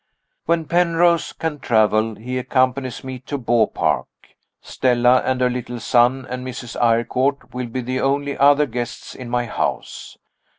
When Penrose can travel, he accompanies me to Beaupark. Stella and her little son and Mrs. Eyrecourt will be the only other guests in my house.